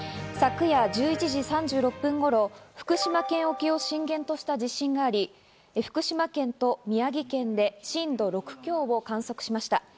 昨夜１１時３６分頃、福島県沖を震源とした地震があり、福島県と宮城県で震度６強を観測しました。